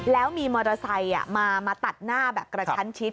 แล้วมีมอเตอร์ไซค์มาตัดหน้าแบบกระชั้นชิด